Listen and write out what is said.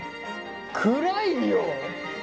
暗いよ！